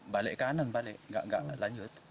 balik kanan balik nggak lanjut